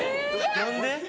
・何で？